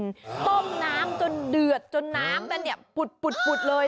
ต้มน้ำจนเดือดจนน้ำนั้นเนี่ยปุดเลย